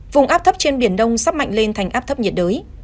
vùng áp thấp trên biển đông sắp mạnh lên thành áp thấp nhiệt đới